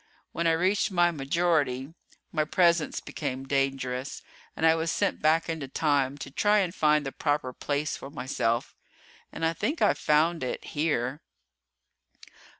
When I reached my majority my presence became dangerous and I was sent back into time to try and find the proper place for myself. And I think I've found it here!"